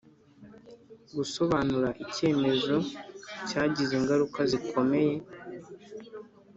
gusobanura icyemezo cyagize ingaruka zikomeye